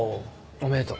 おめでとう。